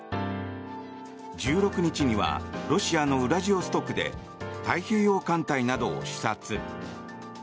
１６日にはロシアのウラジオストクで太平洋艦隊などを視察。